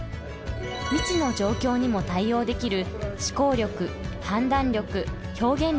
「未知の状況にも対応できる思考力・判断力・表現力」